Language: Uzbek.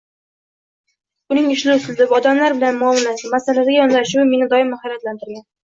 Uning ish uslubi, odamlar bilan muomalasi, masalaga yondashuvi meni doim hayratlantirgan.